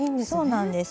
そうなんです。